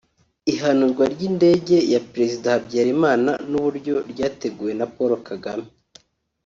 Ihanurwa ry’indege ya Pres Habyarimana nuburyo ryateguwe na Paul Kagame